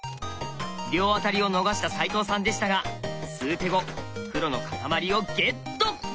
両アタリを逃した齋藤さんでしたが数手後黒のかたまりをゲット。